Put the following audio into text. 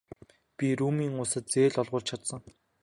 Би Румын улсад зээл олгуулж чадсан.